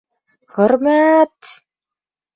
— Хөрмә-әт!..